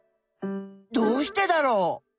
どうしてだろう？